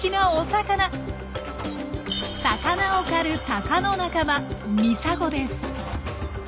魚を狩るタカの仲間ミサゴです。